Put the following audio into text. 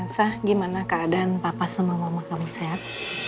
sah gimana keadaan papa sama mama kamu sehat